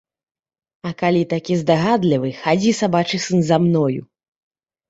А калі такі здагадлівы, хадзі, сабачы сын, за мною!